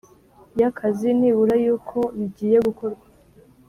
y akazi nibura y uko bigiye gukorwa